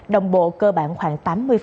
đồng bộ cơ bản khoảng tám mươi